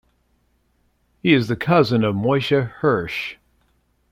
He is the cousin of Moshe Hirsch.